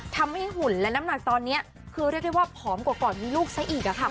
หุ่นและน้ำหนักตอนนี้คือเรียกได้ว่าผอมกว่าก่อนมีลูกซะอีก